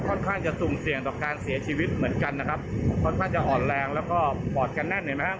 ค่อนข้างจะสุ่มเสี่ยงต่อการเสียชีวิตเหมือนกันนะครับค่อนข้างจะอ่อนแรงแล้วก็ปอดกันแน่นเห็นไหมครับ